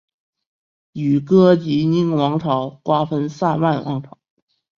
与哥疾宁王朝瓜分萨曼王朝。